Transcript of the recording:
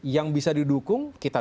yang bisa didukung kita